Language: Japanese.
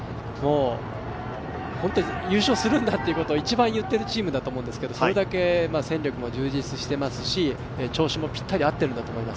本当に優勝するんだということを一番言っているチームだと思うんですがそれだけ戦力も充実してますし、調子もぴったり合っているんだと思います。